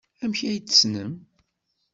Amek ay t-tessnem?